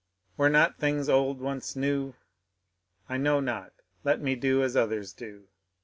Were not things old onoe new ?— I know not, let me do as others do.